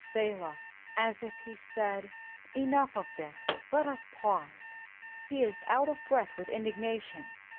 ' ^Selah, " As if he said, *' Enough of this, let us pause." He is out of breath with indignation.